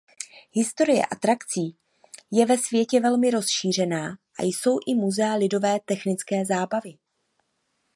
Historie atrakcí je ve světě velmi rozšířená a jsou i muzea lidové technické zábavy.